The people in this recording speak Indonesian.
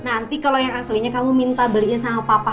nanti kalau yang aslinya kamu minta beliin sama papa